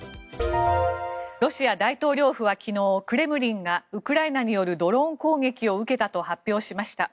ロシア大統領府は昨日クレムリンがウクライナによるドローン攻撃を受けたと発表しました。